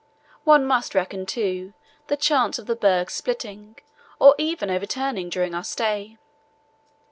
One must reckon, too, the chance of the berg splitting or even overturning during our stay.